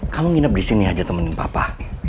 kamu nginep disini aja temen pemen papa